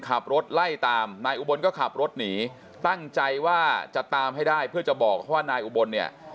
ขับรถไล่ตามนายอุบลก็ขับรถหนีตั้งใจว่าจะตามให้ได้เพื่อจะบอกว่านายอุบลเนี่ย